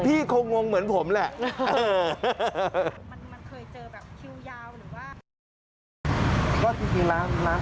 พี่คงงงเหมือนผมแหละ